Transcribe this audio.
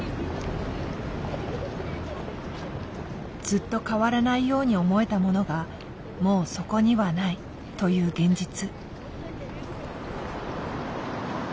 ずっと変わらないように思えたものがもうそこにはないという現実。